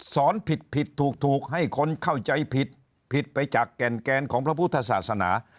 สอนผิดผิดถูกให้คนเข้าใจผิดผิดไปจากแก่นแกนของพระพุทธศาสนา